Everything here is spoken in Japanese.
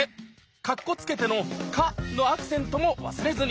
カッコつけての「カ」のアクセントも忘れずに。